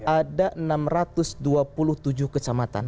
ada enam ratus dua puluh tujuh kecamatan